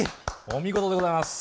お見事でございます。